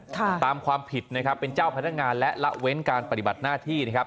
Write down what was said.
ตามความผิดนะครับเป็นเจ้าพนักงานและละเว้นการปฏิบัติหน้าที่นะครับ